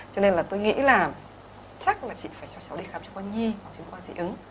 cho nên là tôi nghĩ là chắc là chị phải cho cháu đi khám chứng quan nhi chứng quan dị ứng